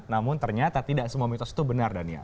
namun ternyata tidak semua mitos itu benar dan iya